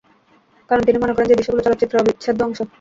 কারন তিনি মনে করেন যে দৃশ্যগুলো চলচ্চিত্রের অবিচ্ছেদ্য অংশ।